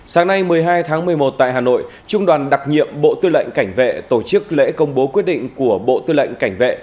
sáng nay một mươi hai tháng một mươi một tại hà nội trung đoàn đặc nhiệm bộ tư lệnh cảnh vệ tổ chức lễ công bố quyết định của bộ tư lệnh cảnh vệ